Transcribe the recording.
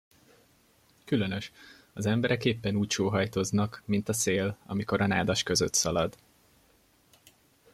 Különös, az emberek éppen úgy sóhajtoznak, mint a szél, amikor a nádas között szalad.